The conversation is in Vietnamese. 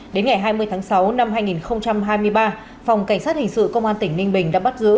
đến ngày hai mươi tháng sáu năm hai nghìn hai mươi ba phòng cảnh sát hình sự công an tỉnh ninh bình đã bắt giữ